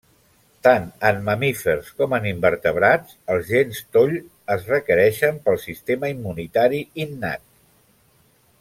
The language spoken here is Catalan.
Tant en mamífers com en invertebrats els gens toll es requereixen pel sistema immunitari innat.